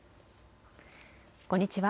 こんにちは。